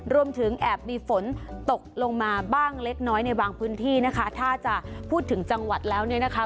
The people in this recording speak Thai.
รวมถึงแอบมีฝนตกลงมาบ้างเล็กน้อยในบางพื้นที่นะคะถ้าจะพูดถึงจังหวัดแล้วเนี่ยนะคะ